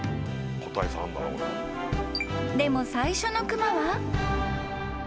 ［でも最初の熊は］